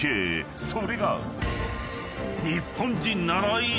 それが］